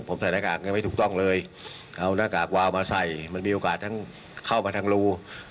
ผมใส่หน้ากากยังไม่ถูกต้องเลยเอาหน้ากากวาวมาใส่มันมีโอกาสทั้งเข้ามาทางรู